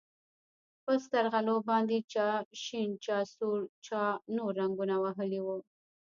په سترغلو باندې چا شين چا سور چا نور رنګونه وهلي وو.